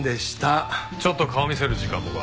ちょっと顔見せる時間もか？